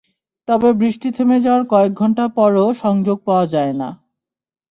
তবে বৃষ্টি থেমে যাওয়ার কয়েক ঘণ্টা পরও সংযোগ পাওয়া যায় না।